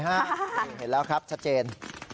เห็นแล้วครับชัดเจน